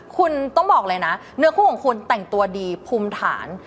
คุณต้องบอกเลยนะเนื้อคู่ของคุณแต่งตัวดีภูมิฐาน